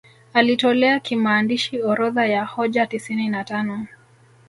Alitolea kimaandishi orodha ya hoja tisini na tano